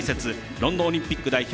ロンドンオリンピック代表